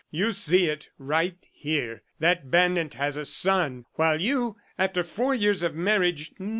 You see it, right here. That bandit has a son, while you, after four years of marriage